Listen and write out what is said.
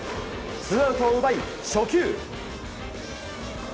ツーアウトを奪い、初球。